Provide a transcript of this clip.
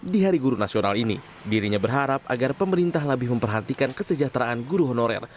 di hari guru nasional ini dirinya berharap agar pemerintah lebih memperhatikan kesejahteraan guru honorer